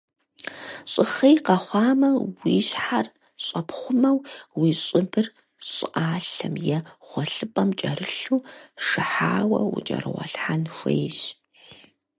Щӏыхъей къэхъуамэ, уи щхьэр щӏэпхъумэу, уи щӏыбыр щӏыӏалъэм е гъуэлъыпӏэм кӏэрылъу, шыхьауэ укӏэрыгъуэлъхьэн хуейщ.